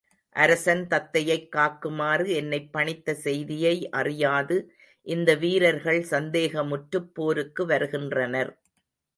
அரசன் தத்தையைக் காக்குமாறு என்னைப் பணித்த செய்தியை அறியாது இந்த வீரர்கள் சந்தேகமுற்றுப் போருக்கு வருகின்றனர்.